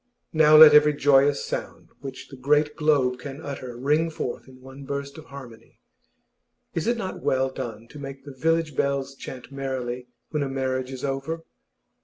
Now let every joyous sound which the great globe can utter ring forth in one burst of harmony! Is it not well done to make the village bells chant merrily when a marriage is over?